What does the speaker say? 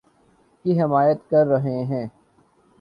کی حمایت کر رہے ہیں